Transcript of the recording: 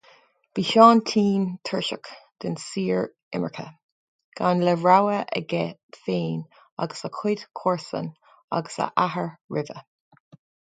Bhí Seán tinn tuirseach den síor-imirce, gan de rogha aige féin agus a chuid comharsan, agus a athair roimhe.